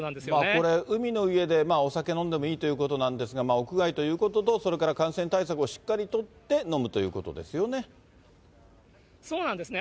これ、海の家でお酒飲んでもいいということなんですが、屋外ということと、それから感染対策をしっかり取って、飲むということですよね。